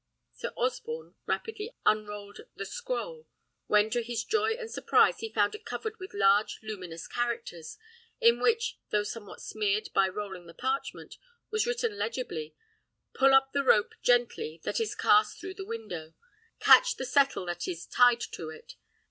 Sir Osborne rapidly unrolled the scroll, when to his joy and surprise he found it covered with large luminous characters, in which, though somewhat smeared by rolling the parchment, was written legibly: "Pull up the rope gently that is cast through the window. Catch the settle that is tied to it.